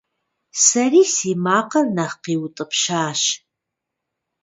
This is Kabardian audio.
Сэри си макъыр нэхъ къиутӀыпщащ.